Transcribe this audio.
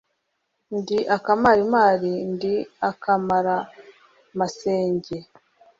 Ndi akamarimari ndi akamaramasenge